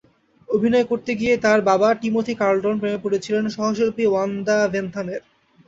অভিনয় করতে গিয়েই তাঁর বাবা টিমোথি কার্লটন প্রেমে পড়েছিলেন সহশিল্পী ওয়ান্ডা ভেন্থামের।